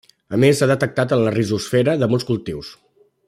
A més s'ha detectat en la rizosfera de molts cultius.